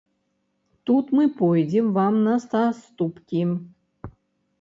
Тут мы пойдзем вам на саступкі.